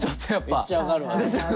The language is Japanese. めっちゃ分かるわ。ですよね。